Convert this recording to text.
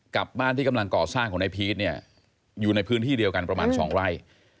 กับบ้านที่กำลังก่อสร้างของนายพีชเนี่ยอยู่ในพื้นที่เดียวกันประมาณ๒ไร่